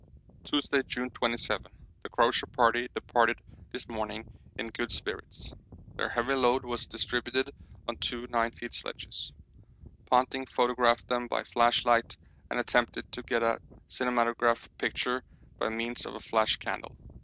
Tuesday, June 27. The Crozier Party departed this morning in good spirits their heavy load was distributed on two 9 feet sledges. Ponting photographed them by flashlight and attempted to get a cinematograph picture by means of a flash candle.